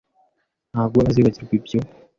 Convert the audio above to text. ntabwo azibagirwa ibyo.